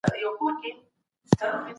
قرطبي د اندلس له مشهورو علماوو څخه و.